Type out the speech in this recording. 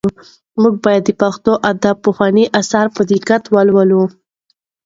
موږ باید د پښتو ادب پخواني اثار په دقت ولولو.